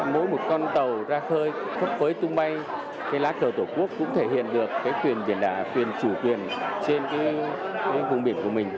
mỗi một con tàu ra khơi khắp phối tung bay lá cờ tổ quốc cũng thể hiện được quyền chủ quyền trên vùng biển của mình